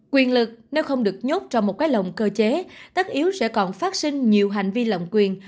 quyền lực nếu không được nhốt trong một cái lồng cơ chế tất yếu sẽ còn phát sinh nhiều hành vi lòng quyền